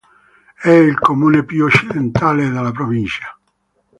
È il comune più occidentale della provincia.